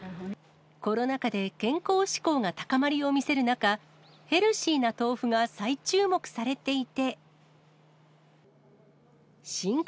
コロナ禍で健康志向が高まりを見せる中、ヘルシーな豆腐が再注目されていて。